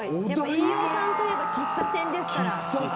飯尾さんといえば喫茶店ですから。